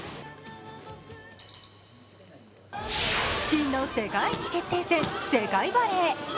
真の世界一決定戦、世界バレー。